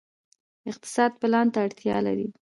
اقتصاد پلان ته اړتیا لري